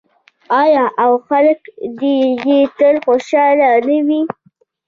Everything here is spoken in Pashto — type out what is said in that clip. آیا او خلک دې یې تل خوشحاله نه وي؟